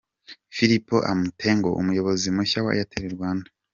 Philip Amoateng umuyobozi mushya wa Airtel Rwanda.